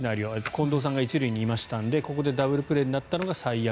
近藤さんが１塁にいましたのでここでダブルプレーになるのが最悪。